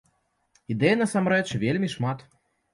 Ідэй, насамрэч, вельмі шмат!